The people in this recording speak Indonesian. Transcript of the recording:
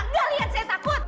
nggak lihat saya takut